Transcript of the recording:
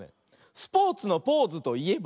スポーツのポーズといえば？